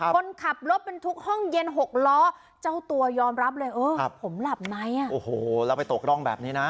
คนขับรถบรรทุกห้องเย็น๖ล้อเจ้าตัวยอมรับเลยเออผมหลับในอ่ะโอ้โหแล้วไปตกร่องแบบนี้นะ